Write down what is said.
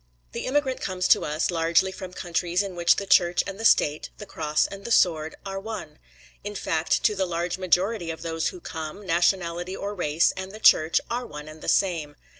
The immigrant comes to us, largely from countries in which the Church and the State, the cross and the sword, are one. In fact to the large majority of those who come, nationality or race, and the Church, are one and the same.